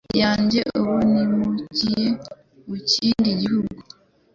yanjye ubu nimukiye mu kindi gihugu